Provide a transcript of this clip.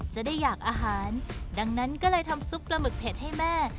จะได้อยากอาหารดังนั้นก็เลยทำซุปปลาหมึกเผ็ดให้แม่